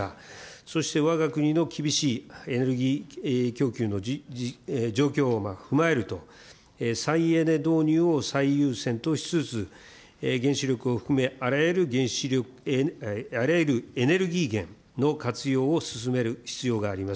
そしてわが国の厳しいエネルギー供給の状況を踏まえると、再エネ導入を最優先としつつ、原子力を含め、あらゆるエネルギー源の活用を進める必要があります。